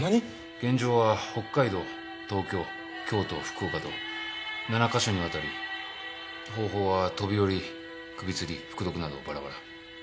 現場は北海道東京京都福岡と７カ所にわたり方法は飛び降り首吊り服毒などバラバラ。